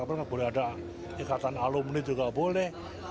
apalagi boleh ada ikatan alumni juga boleh